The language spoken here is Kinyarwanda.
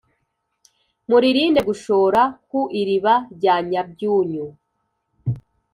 "muririnde gushora ku iriba rya nyabyunyu,